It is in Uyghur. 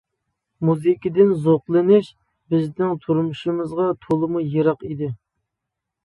مۇزىكىدىن زوقلىنىش بىزنىڭ تۇرمۇشىمىزغا تولىمۇ يىراق ئىدى.